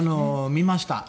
見ました。